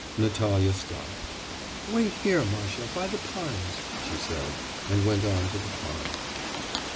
Natalya stopped. 'Wait here, Masha, by the pines,' she said, and went on to the pond.